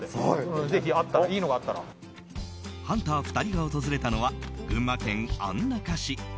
ハンター２人が訪れたのは群馬県安中市。